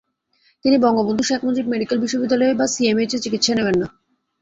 তিনি বঙ্গবন্ধু শেখ মুজিব মেডিকেল বিশ্ববিদ্যালয় বা সিএমএইচে চিকিৎসা নেবেন না।